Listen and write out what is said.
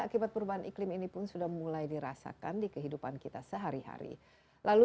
akibat perubahan iklim ini pun sudah mulai dirasakan di kehidupan kita sehari hari lalu